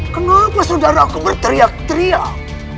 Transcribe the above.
kenapa saudaraku berteriak teriak